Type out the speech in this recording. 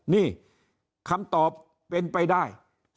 นี่คำตอบเป็นไปได้